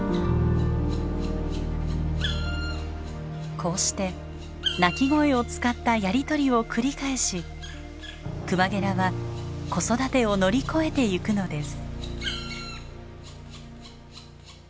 こうして鳴き声を使ったやり取りを繰り返しクマゲラは子育てを乗り越えていくのです。